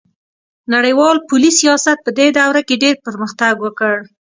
نړیوال پولي سیاست پدې دوره کې ډیر پرمختګ وکړ